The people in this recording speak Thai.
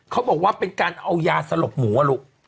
เขาบอกว่าเป็นการเอายาสลบหมูอ่ะลูก